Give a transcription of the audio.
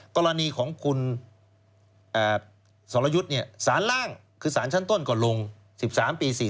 กรณีของคุณสรยุทธ์สารล่างคือสารชั้นต้นก่อนลง๑๓ปี๔๔